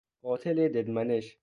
قاتل ددمنش